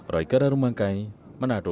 roy kararumangkai manado